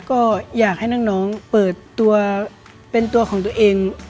ก็อยากให้น้องเปิดตัวเป็นตัวของตัวเอง